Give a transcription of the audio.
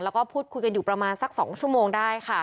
แล้วก็พูดคุยกันอยู่ประมาณสัก๒ชั่วโมงได้ค่ะ